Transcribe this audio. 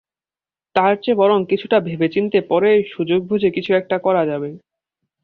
তার চেয়ে বরং কিছুটা ভেবেচিন্তে পরেই সুযোগবুঝে কিছু একটা করা যাবে।